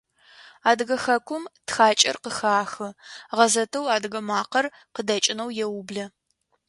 Адыгэ хэкум тхакӏэр къыхахы, гъэзетэу «Адыгэ макъэр» къыдэкӏынэу еублэ.